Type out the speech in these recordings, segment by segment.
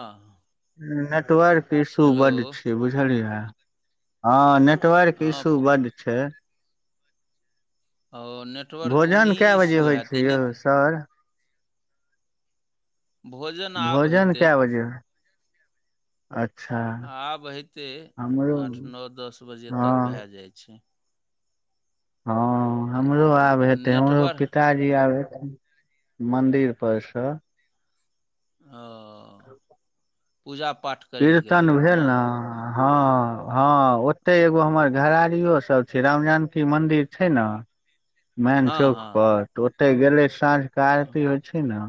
हँ। Network issue hello बड छै बुझलियै। हँ नेटवर्क हँ इशू बड्ड छै। ओ नेटवर्क भोजन ओनही कए बजे इशू होइ हएैत छै ई यौ नहि तऽ। सर भोजन आब भोजन हेतै कए बजे ह अच्छा। आब हेते हमरो आठ नओ दस बजे हँ तक भए जाइत छै। हँ हमरो आब न- हेते हमरो नेटवर्क पिता। जी आबे छै मदिर पर स। ओ पूजा पाठ। करै लए कीर्तन गेलखिन भेल ने न। हँ हँ ओत्ते एगो हमर घरारियो सब छै राम जानकी मन्दिर छै न। मेन हँ चौक हँ परर तऽ ओते गेले साँझका आरती होइ छै न।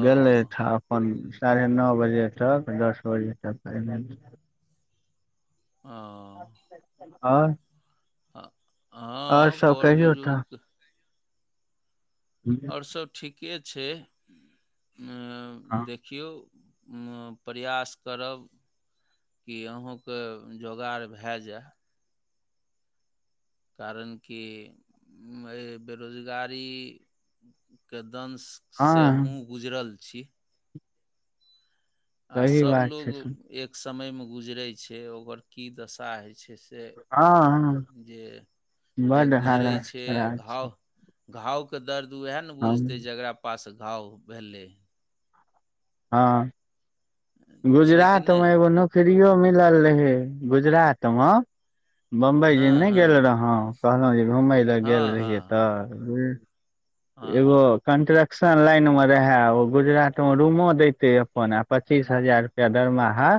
ओ गेलै तऽ अपन साढ़े नओ बजे तक दस बजे तक पलै। ओ और। ह और हँ सब बड़ कहियौ बुजुर्ग। हूं। आओर सब ठीके छै आ देखियौ। प्रयास करब की अहूँके जोगाड़ भए जाए। कारण कि मै बेरोजगारी। के दंश से हँ हमहुू गुजरल छी। आ सही बात छै सभलोग एक समयमे गुजरै छै ओकर की दशा होइ छै। से हँ जे-जे बड गुजरै हालत छै खराब छै घाव। घावके दर्द उएह ने हम बुझतै जकरा पास घाव भेलै। हँ छै कि गुजरात मे नहि एगो न। करियों मिलल रहै गुजरात मे। बम्बई जी हँ नहि हँ गेल रहौ कहलहुँ जे घुमय लए गेल हँ रहिय हँ हँ तऽ हूँ।। एगो। हँ कन्स्ट्रक्शन लाइनमे रहए ओ गुजरातमे रूमो देैते अपन आ पचीस हजार। के दरमहा।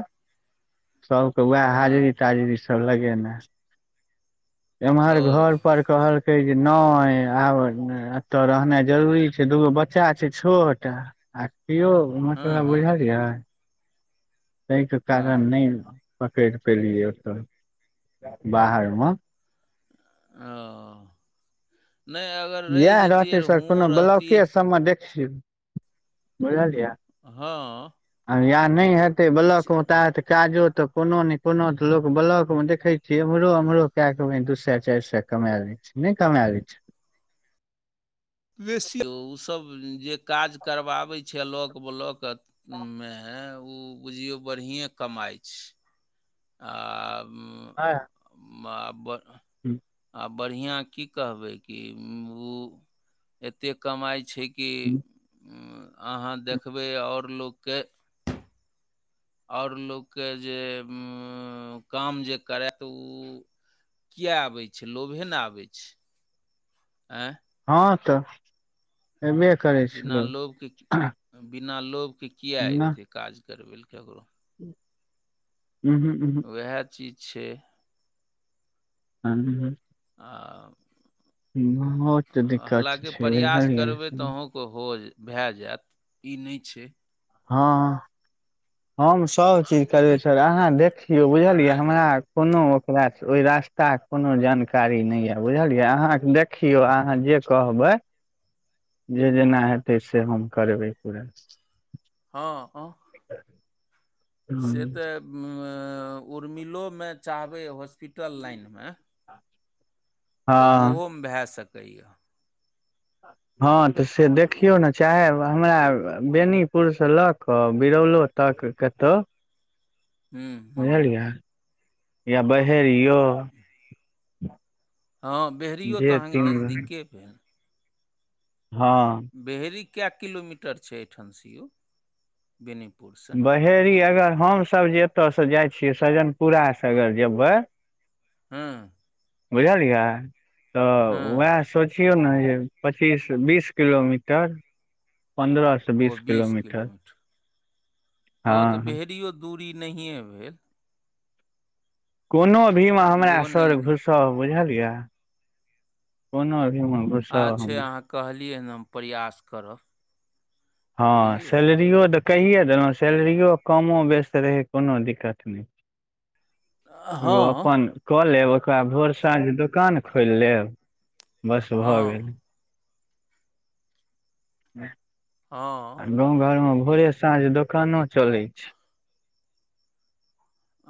सभकेँ उएह हाजिरी हँ ताजरी सभ लगेना। एम्हर घर ओ पर कहलकै जे नई आब। तो रहनाइ जरूरी छै दूगो बच्चा छै छोट आ कियो हँ मतलब बुझ। हँ यै। तै के कारण नै हँ पकड़ पेलियै ओतऽ बाहरमे। ओ। नै अगर। रहि यैह जैतियै रहते रऽ सर हुओं कोनो रहतियै ब्लॉके सबमे देखियौ बुझलियै। हां। या नै हेतै ब्लॉक में ताते काजो तऽ कोनो नै कोनो तऽ लोक ब्लॉक मे देखै छीयै एम्होरो उम्हरों कए क के ओ दू सए चारि सए कमाय लै छै, नै कमाए लै छै। बेसी उ सब जे काज करबाबै छै लॉक ब्लॉक अ मे ओ बुझियौ बढ़िए कमाइ छै। आ उम्म आ ब हुं। आब बढ़िया की कहबै कि उम्म ओ एतेक कमाइ छै। कि उम्म अहाँ देखबै और लोकके और लोकके जे उम्म काम जे करय तऽ उ किए आबै छै लोभे लै आबै छै ऐ हँ तऽ ऐबे करै छै बिना लोभके लोक बिना लोभके किए एतै काज करबै लए केकरो। ऊहुं-ऊहुं। वहै चीज छै। हां। आ बहुत दिक्कत हलाकी छै प्रयास बुझलियै करबय ते अहो के को हो भए जाएत ई नै छै। हां हम सबचीज करबै जखन छीयै, अहाँ देखियौ बुझलियै आँय हमरा कोनो ओकरा से ओय रास्ता के कोनो जानकारी नै यै बुझलियै अहाँके देख खियो अहाँ जे कहबै ह जे जेना हेतै से हम करेबै पूरा। हां-हां। कियै। से तऽ उम्म उर्मिलोमे चाहबै हॉस्पिटल लाइनमे [inaudible] तऽ उहोमे भए सकै यै। हां तऽ से देखियौ नै। चाहे हमरा बेनीपुरसँ लऽ कऽ बिरौलो तक कतो हूं। बझलिए या बहेरियौ। हां बेहरियो तऽ अहाँके नजदीके भेल। हां। बेहरी कए किलोमीटर छै एठाम से यौ बेनीपुर से? फेर ई अगर हम सब जे एतऽ से जाइ छियै सजनपुरा से अगर जेबै हुं। बुझलियै तऽ हँ वैह सोच बुझियो नै जे पच्चीस बीस किलोमीटर पंद्रा सौ ओ बीस किलोमीटर, हँ तऽ भेड़ियो दूरी नहिए भेल। कोनो भी मे हमरा ओहो सर नजदीक घुसउ बुझलियै, कोनो भी मे आच्छे अहाँ कहलियै हँ, हम प्रयास करब। हँ बुझलियै सैलरियो तऽ कहिए देलहुँ, सैलरियो कमो बेस्त रहै कोनो दिक्कत नहि। एगो हँ अपन कऽ लेब, ओकरा भोर साँझ दोकान खोलि लेब। बस भऽ गेल। हँ ह। हँ। गाँंव घर में भोरे साँझ दोकानो चले छै।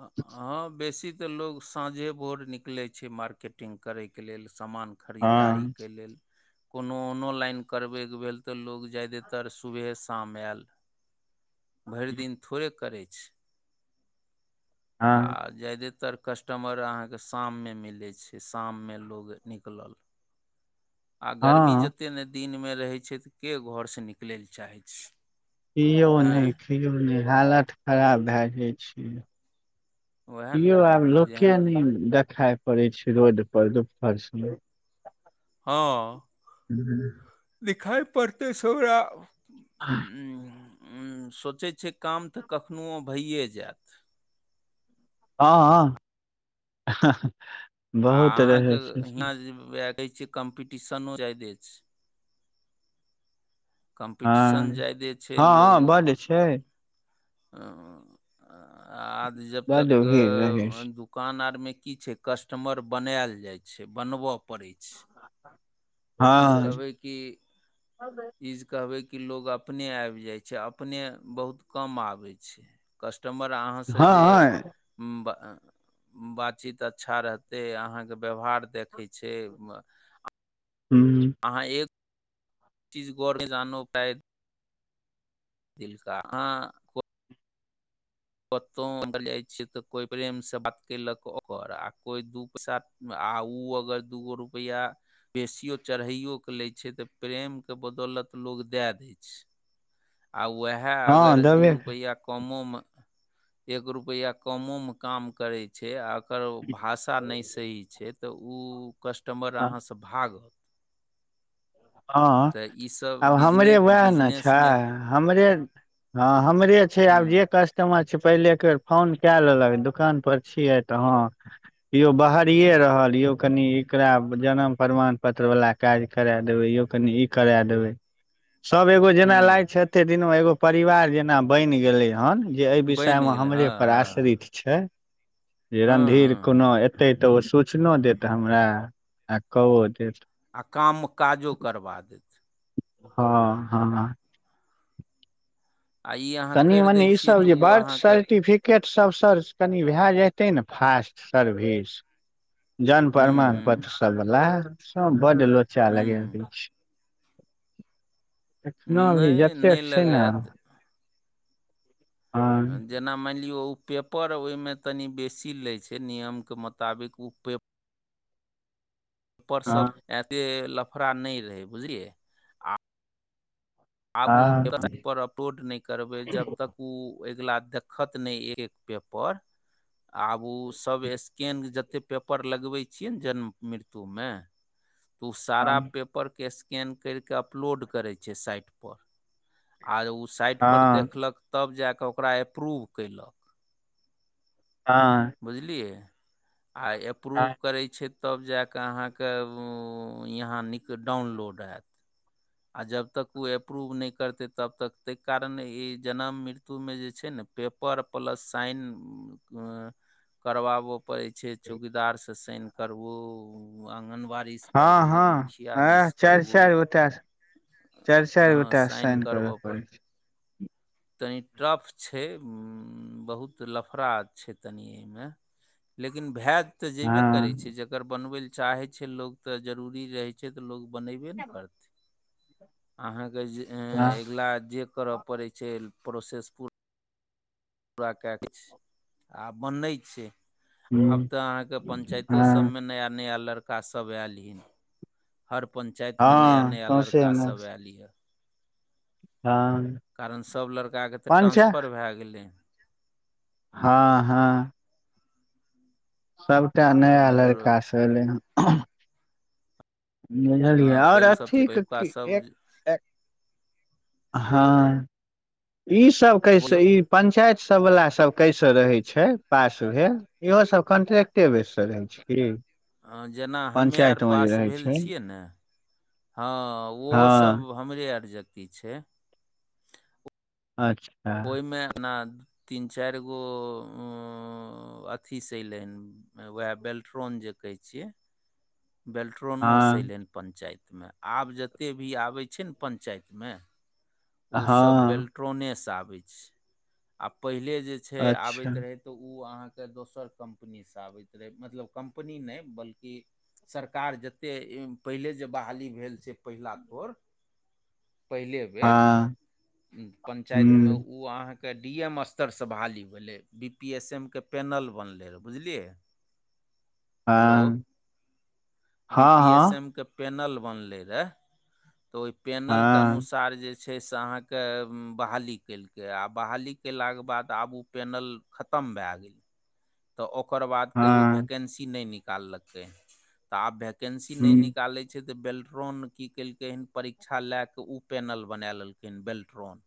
आ-आ। बेसी तो‌ लोक, तऽ साझे भोर निकैले छै मार्केट के लेल समान हँ खरीदारीके लेल। कोनो ऑनो लाइन करबैके भेल तऽ, लोक ज्यदेातर सुबहे शाम आयल। भरि दिन थोड़े करै छै। आ। हँ जादातर कस्टमर अहाँके शाममे मिलै छै, शाममे लोग निकलल। आ गर्मी हँ जतेक ने दिनमे रहैत छै, के घरसँ निकलै लए चाहैत छै। कियौ आँय नहि, किययौ नहि, हालत खराब भए जाइ छै। उएह ने यौ आब कहलहुँ जेहन लोके नहि देखाय पड़ै छै रोड पर देखइ छियै। हँ। बुझलियै? दिखाइ पड़तै सरा [inaudible] सोचै छै काम तऽ कखनोहु भइए जायत। हँ-हँ [unintelligible] आ अहाँके हियाँ जे उएह कहै छियै, कम्पीटिशनो जाद अछि। कम्पीटिशन हँ जादे छै, लोक हँ बड्ड छै ह आज जब बड्ड तक भीड़ रहै दु छै दुकान आर मे की छै, कस्टमर बनायल जाय छै, बनबऽय पड़े छै। ई जे हँ कहबै कि ई जे कहबै कि लोग अपने आऐब जाइ छै, अपने बहुत कम आबै छै। कस्टमर अहाँसे जे हँ ब बातचीत अच्छा रहतै, अहाँके व्यवहार देखै छै। हूँ। अहाँ एक चीज गौर ने जानो पाएब। दिलका हँ। कतहु जाइत छियै तऽ, कोइ प्रेमसँ बात कयेलक ओकर आ कोइ दू पैसा आ ओ अगर दूगो रुपैआ बेसियओ चढ़ैओ कऽ लै छै तऽ प्रेमके बदौलत लोक दए दै छै। आ उएह हँ अगर दू देबे रुपैआ कमोमे एक रुपआ कमो में काम करे छै, आ एककर भाष आ नहि सही छै, तऽ ओ कस्टमर अहाँ भाग हँ। तऽ ई सब आब हमरे वएह ने छै हमरे हँ हमरे छै आब हूँ जे कष्ट। केम्हर छै पहिले एक बेेर फोन केए लेलक दुकान पर छियै तऽ हँ। यौ बाहरिये रहल यौ कनि एकरा जनम प्रमाण पत्र वला काज करेए? देबै यो कनि ई करा देबैय सब एगो जेन लागय हूँ छै। कते दिन मे एगो परिवार जेना बैन गेलेै हन जे एहि विषय बनि मे गेलै हमरे हँ पर हँ आश्रित। छै जे हँ रन्धीर हँ कोनो हँ एतै तऽ ओ सच। चछनो देत हमरा आ कओ देत। आ काम काजो करबा देथ। हँ-हँ। आ ई अहाँ कनि करि मनी दै ई छियै सब तऽ जे ओ बर्थ अहाँके सर्टिफि। टकेट सब सर कनि भए जेतै ने फास्ट सर्विस। हूँ जनमप्रमाण हूँ पत्र सब बला बड्ड लोचा हूँ लगेने रहै छै। इतना नहि नहि रजेक्टेड छै ने। लगायत हँ जेना मनिलिओ पेपर ओय मे तनि बेसी लै छै नियम के मुताबिक उ पेप पर सब हँ एते लफड़ा नै रहे बुझलियै? आब ओ हँ वबसाइट पर अपलोड नै करबै जब तक। ओ अगिला देखत ने एक-एक पेपर आबु ओ सब स्कैन जते पेपर लगबै छियै ने जन्म मृत्यु मे। तऽ ओ सारा हँ पेपरके स्कैन कैरकऽ अपलोड करै छै साइट पर। आ ओ साइट पर देखलक तब जा कऽ ओकरा अप्रूव कैयलक। हँ। बुझलियै आय अप्रूव हँ करै छै। तब जाकऽ अहाँके वो यहाँ नीक डाउनलोड हेएत। आ जब तक ओ अप्रूव नै करतै तब तक तैय कारण ई जन्म मृत्युमे जे छै ने। पेपर प्लस साइन करबाबो। पड़ै छै चौकीदार से साइन करबो आङगनबाड़ी। रीस हँ करबू मुखिया हँ जी एह से चारि करबू। चारि गोटा चारि चारि हँ गोटा साइन करऽ करबऽ पड़। पड़ै छै तनि टफ छै बहुत लफड़ा छै तनि एयमे। लेकिन भेत तऽ जेबे करै हँ छै जकर बनबै लए चाहैत छै लोक तऽ जरूरी रहै। छै तऽ लोक बनेबे ने करतै। आहाँके जे हँ अगिला जे करऽ पड़ेै छै प्रोसेस पू पूरा कए कऽ छै आ बनै छै। आब तऽ आहाँके पञ्चायतो हँ सबमे नया-नया लड़का सब अल यए। हर हँ पञ्चायतमे हँ नया-नया सौंसे लड़का सब एल यए। हँ कारन सब लड़का के तऽ पाँच ट्रांफर भए गेलै। हँ-हँ। सबटा नया आओर लड़का अ, सँ एलै हन। बुझलियै और पहिल सब अथी के पहिलुका कि सब एक एक हँ ईसब कैसे बोलो ई पंचायत सबवला सब कैसे रहै छै, पास भेल? इहो सब कन्ट्रेक्टे बेस रहै छै की? हँ जेना हमे आर पंचायत मे जे पास रहै भेल छै छियै ने। हँ ओहो हँ सब हमरे आर जेकी छै। अच्छा। ओहिमे अपना तीन चारि गो अथीसँ एयलै हन व बेलट्रॉन जेकहै छीये बेलट्रॉ प्रोनोसँ हँ अयलन पंचायतमे आब जते भी आबै छै ने पंचायतमे ओसभ हँ बेल्ट्रोनेसँ आबैत छै आ पहिले जे छै अच्छा आबैत रहैत तऽ ओ अहाँके दोसर कम्पनीसँ आबैत रहै मतलब कम्पनी नहि बल्कि सरकार जतेक पहिले जे बहाली भेल से पहिला तोर। पहिले। हँ। पञ्चायतमे हूँ ओ अहाँके डी एम स्तरसँ बाहाली भेलै बी पी एस एम के पैनल बनलै रा बुझलियै। हेलो हँ बी पी एस हँ हँ एम क पैनल बनलै रहा ओय पैनलके हँ अनुसार जे छै से अहाँके बहाली केलकै आ बहाली कलाक बाद आब उ पैनल खतम भए गेल। तऽ ओकर बाद कहियो हँ वैकेन्सी नहि निकाललकै, तऽ आब वैकेन्सी नहि हूँ निकालै तऽ बेल्ट्रॉन की केलकै हन परीक्षा ला कऽ उ पैनल बना लेलकै हन बेल्ट्रॉन।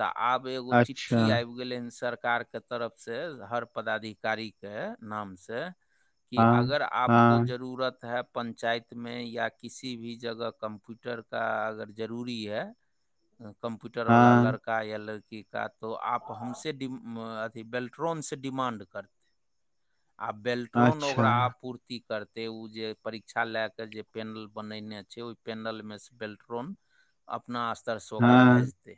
तऽ आब एगो अच्छा चिठ्ठी आबि गेलै हन सरकारके तरफसँ हर पदाधि कारी के नाम से कि हँ अगर आपको हँ जरूरत है [unintelligible] कम्प्यूटर वला लड़ हँ [unintelligible] आ बेल्ट्रोन अच्छा ओकरा आपू ती करतै उ जे परीक्षा लए कऽ जे पेनल बनेने छै ओहि पेनलमे से बेल्ट्रोन अपना स्तरसँ ओकरा हँ भेजतै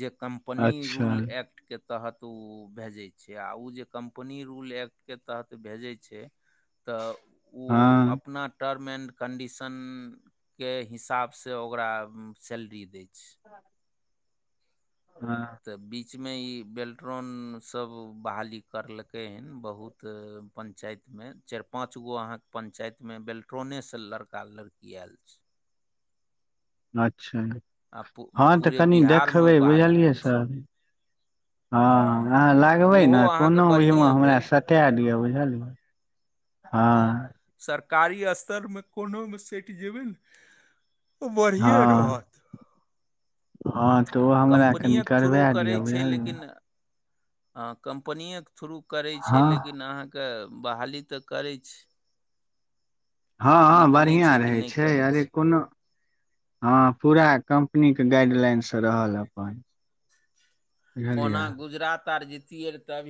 जे कम्पनी अच्छा रूल एक्टके तहत उ भेजैय छै आ उ जे कंप पनी रूल एक्ट के तहत भेजै छै तऽ उ हँ अपना टर्म एण्ड कन्डीशनके हिसाबस ओकरा सैलरी दै छै। हँ। हँ। तऽ बीच में इ बेल्ट्रॉन सब बहाली करल हन बहुत पंचायत में चार पांच गो अहाँ के पंचायत में बेल्ट ट्रोनेसँ लड़का लड़की आयल छै। अच्छा आ पू हँ तऽ पूरे कनि बिहार मे ओ देखबै बहाली बुझलियै करै छै सर। हँ हूँ अहाँ लगबै ने ओहो अहाँके कोनो ओहिमे बढ़िए हमरा भेल स कए दिअ बुझलियै हँ। सरकारी स्तरमे कोनोमे सटि जेयबै ने त बढ़िए हँ रहत। हँ तऽ ओ हमरा कम्पनिए कनि के थ्रू करबा करै दिअ छै बुझलियै लेकिन हँ कम्पनिके थ्रू करै छै हँ लेकिन अहाँकेँ बहाली तऽ करै छै। हँ ई हँ तऽ नहि बढ़िआँ कि रहै नहि छै करै अरे कोनो हँ पूरा कम्पनीके गाइडलाइनस रहल अपन। ओना बुझलियै गुजरात आर जितियर अभी